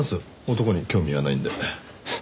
男に興味はないんで。